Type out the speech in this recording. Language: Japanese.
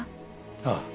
ああ。